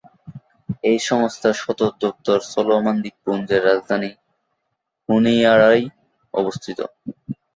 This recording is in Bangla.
এই সংস্থার সদর দপ্তর সলোমন দ্বীপপুঞ্জের রাজধানী হোনিয়ারায় অবস্থিত।